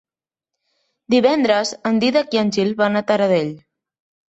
Divendres en Dídac i en Gil van a Taradell.